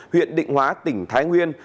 huyện định hóa tỉnh thái nguyên